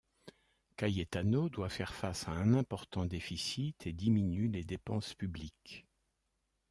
Cayetano doit faire face à un important déficit et diminue les dépenses publiques.